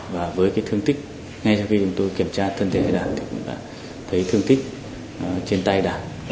và với cái thương tích ngay sau khi chúng tôi kiểm tra thân thể với đảng thì cũng đã thấy thương tích trên tay đảng